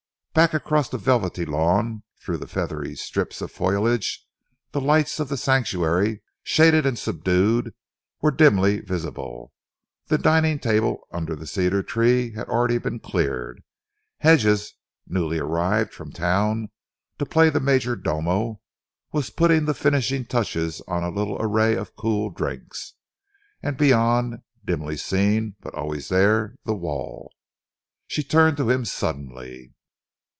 Back across the velvety lawn, through the feathery strips of foliage, the lights of The Sanctuary, shaded and subdued, were dimly visible. The dining table under the cedar tree had already been cleared. Hedges, newly arrived from town to play the major domo, was putting the finishing touches to a little array of cool drinks. And beyond, dimly seen but always there, the wall. She turned to him suddenly.